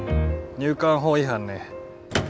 入管法違反ね。